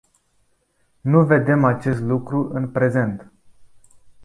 Nu vedem acest lucru în prezent.